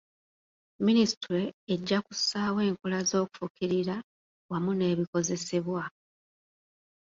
Minisitule ejja kussaawo enkola z'okufukirira wamu n'ebikozesebwa.